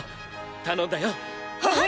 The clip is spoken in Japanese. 頼んだよ。ははっ！